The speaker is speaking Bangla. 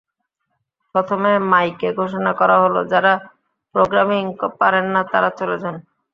প্রথমে মাইকে ঘোষণা করা হলো, যাঁরা প্রোগ্রামিং পারেন না, তাঁরা চলে যান।